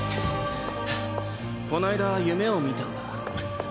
こないだ夢を見たんだ。